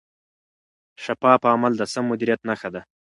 شفاف عمل د سم مدیریت نښه ده.